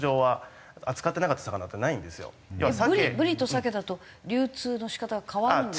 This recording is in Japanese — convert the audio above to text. ブリとサケだと流通の仕方が変わるんですか？